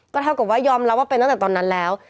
เท่ากับว่ายอมรับว่าเป็นตั้งแต่ตอนนั้นแล้ว